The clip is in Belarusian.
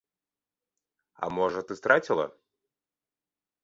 А можа, ты страціла?